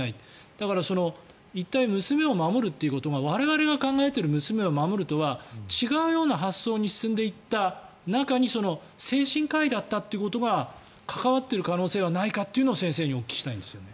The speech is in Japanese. だから、一体娘を守るということが我々が考えている娘を守るとは違うような発想に進んでいった中に精神科医だったということが関わっている可能性はないかというのを先生にお聞きしたいんですよね。